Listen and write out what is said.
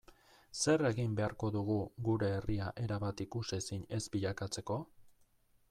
Zer egin beharko dugu gure herria erabat ikusezin ez bilakatzeko?